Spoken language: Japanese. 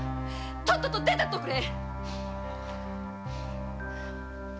とっとと出て行っておくれ！